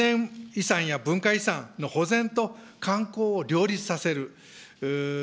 また、自然遺産や文化遺産の保全と観光を両立させる。